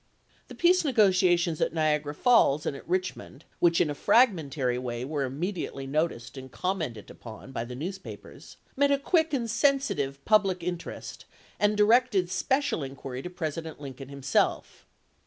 The peace negotiations at Niagara Falls and at Richmond, which in a fragmentary way were im 1864. mediately noticed and commented upon by the newspapers, met a quick and sensitive public inter est, and directed special inquiry to President Lin coln himself.